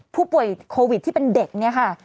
ผู้ป่วยโควิดที่เป็นเด็กเนี่ยค่ะ